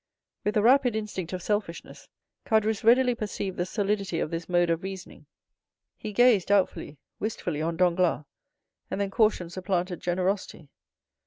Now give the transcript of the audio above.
With the rapid instinct of selfishness, Caderousse readily perceived the solidity of this mode of reasoning; he gazed, doubtfully, wistfully, on Danglars, and then caution supplanted generosity.